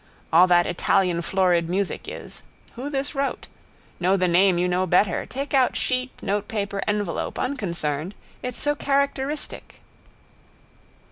All that Italian florid music is. Who is this wrote? Know the name you know better. Take out sheet notepaper, envelope: unconcerned. It's so characteristic.